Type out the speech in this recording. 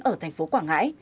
ở thành phố quảng ngãi